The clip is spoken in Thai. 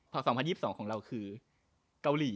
พอ๒๐๒๒ของเราคือเกาหลี